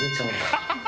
ハハハ